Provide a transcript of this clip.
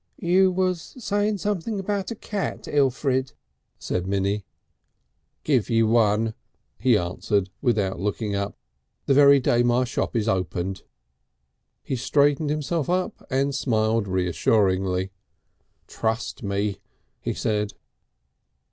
"You was saying something about a cat, Elfrid," said Minnie. "Give you one," he answered without looking up. "The very day my shop is opened." He straightened himself up and smiled reassuringly. "Trust me," he said.